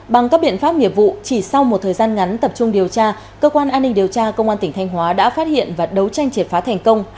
bằng các biện pháp nghiệp vụ chỉ sau một thời gian ngắn tập trung điều tra cơ quan an ninh điều tra công an tỉnh thanh hóa đã phát hiện và đấu tranh triệt phá thành công